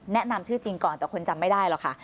แนะนำชื่อจริงก่อนแต่คนจำไม่ได้หรอกค่ะ